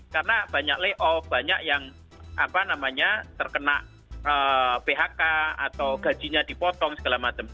karena banyak lay off banyak yang apa namanya terkena phk atau gajinya dipotong segala macam